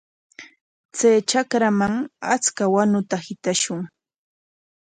Chay trakraman achka wanuta hitashun.